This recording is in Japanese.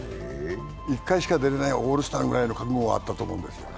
１回しか出られないオールスターぐらいの覚悟はあったと思います。